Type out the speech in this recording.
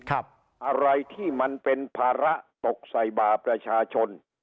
อะไรที่มันเป็นภาระตกใส่บ่าประชาชน